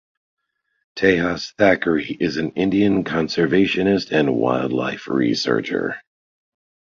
Tejas Thackeray is an Indian conservationist and wildlife researcher.